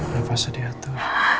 n defasa diatur